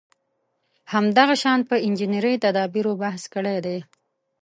همداشان په انجنیري تدابېرو بحث کړی دی.